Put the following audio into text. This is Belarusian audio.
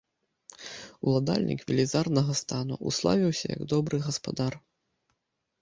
Уладальнік велізарнага стану, уславіўся як добры гаспадар.